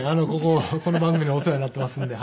この番組にはお世話になっていますんで。